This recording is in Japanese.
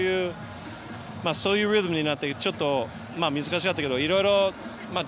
そういうリズムになってちょっと難しかったけどいろいろ。